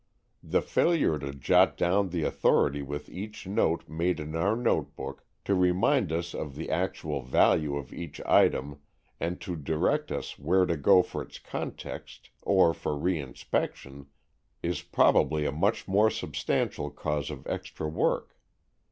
The failure to jot down the authority with each note made in our notebook, to remind us of the actual value of each item and to direct us where to go for its context or for reinspection, is probably a much more substantial cause of extra work.